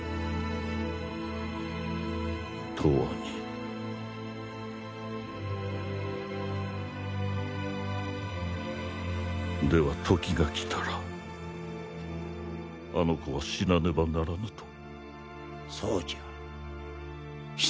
永遠に∈では時が来たらあの子は死なねばならぬと？